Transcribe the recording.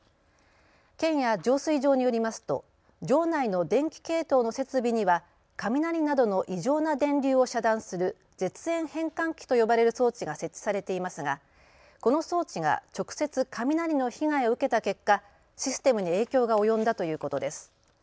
県や浄水場によりますと場内の電気系統の設備には雷などの異常な電流を遮断する絶縁変換器と呼ばれる装置が設置されていますが、この装置が直接雷の被害を受けた結果、システムに影響が及んだということです。